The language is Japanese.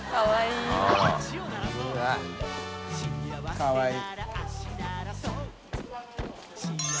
かわいい。